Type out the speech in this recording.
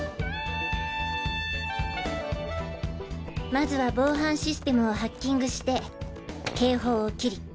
まずは防犯システムをハッキングして警報を切り。